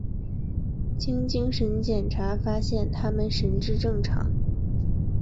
经精神检查发现他们神智正常。